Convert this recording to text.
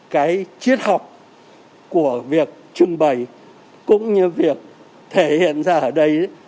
cái triết học của việc trưng bày cũng như việc thể hiện ra ở đây